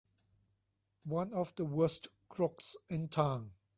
One of the worst crooks in town!